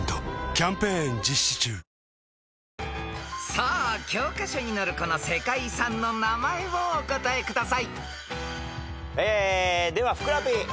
［さあ教科書に載るこの世界遺産の名前をお答えください］えではふくらＰ。